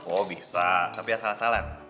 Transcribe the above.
oh bisa tapi ya salah salah